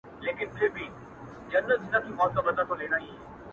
لا یې تازه دي د ښاخونو سیوري-